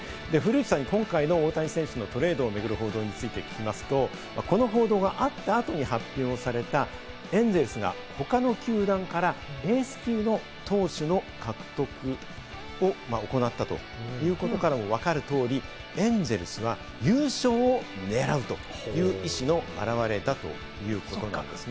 古内さんに今回の大谷選手のトレードを巡る報道について聞きますと、この報道があった後に発表されたエンゼルスが他の球団からエース級の投手の獲得を行ったということからも分かる通り、エンゼルスは優勝を狙うという意思の表れだということなんですね。